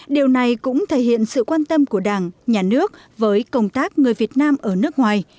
điều này cũng thể hiện sự quan tâm của đảng nhà nước với công tác người việt nam ở nước ngoài